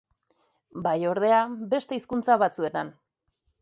Bai, ordea, beste hizkuntza batzuetan.